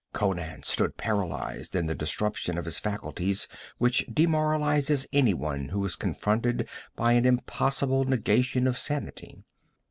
_ Conan stood paralyzed in the disruption of the faculties which demoralizes anyone who is confronted by an impossible negation of sanity.